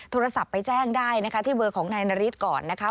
โทรศัพท์ไปแจ้งได้นะคะที่เบอร์ของนายนาริสก่อนนะคะ